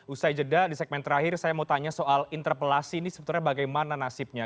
usai jeda di segmen terakhir saya mau tanya soal interpelasi ini sebetulnya bagaimana nasibnya